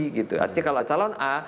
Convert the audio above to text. artinya kalau calon a